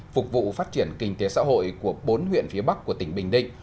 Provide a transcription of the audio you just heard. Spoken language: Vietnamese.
phục vụ phát triển kinh tế xã hội của bốn huyện phía bắc của tỉnh bình định